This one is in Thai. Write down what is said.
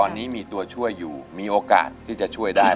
ตอนนี้มีตัวช่วยอยู่มีโอกาสที่จะช่วยได้